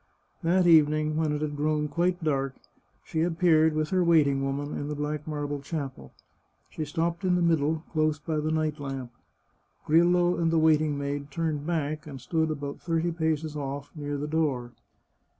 That evening, when it had grown quite dark, she ap« peared, with her waiting woman, in the black marble chapel. She stopped in the middle, close by the night lamp. Grillo and the waiting maid turned back, and stood about thirty paces off, near the door.